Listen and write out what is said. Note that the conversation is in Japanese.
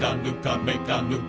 「めかぬか」